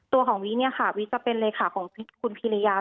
ตัวของวิเนี่ยค่ะวิจะเป็นเลขาของคุณพิริยา